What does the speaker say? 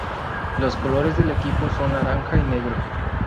Los colores del equipo son naranja y negro.